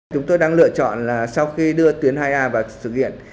chúng tôi đang lựa chọn là sau khi đưa tuyến hai a vào sự kiện